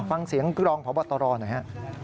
ฟังเสียงกรองพบตรหน่อยฮะ